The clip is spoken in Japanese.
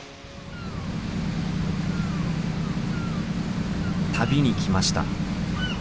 旅に来ました。